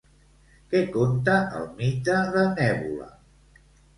Què conta el mite de Nébula?